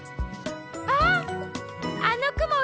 あっあのくも